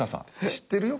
「知ってるよ